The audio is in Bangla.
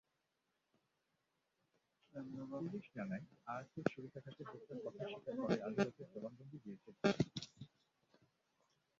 পুলিশ জানায়, আয়াজকে ছুরিকাঘাতে হত্যার কথা স্বীকার করে আদালতে জবানবন্দি দিয়েছে জিসান।